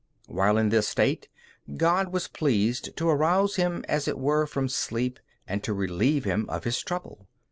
While in this state, God was pleased to arouse him as it were from sleep, and to relieve him of his trouble.